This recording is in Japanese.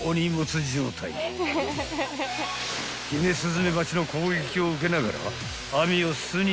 ［ヒメスズメバチの攻撃を受けながら］